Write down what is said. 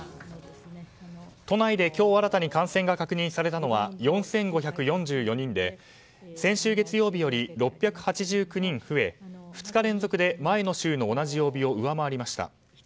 都内で今日新たに感染が確認されたのは４５４４人で先週月曜日より６８９人増え２日連続で前の週の同じ曜日を上回りました。